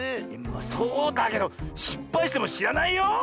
そうだけどしっぱいしてもしらないよ。